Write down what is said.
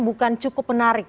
bukan cukup menarik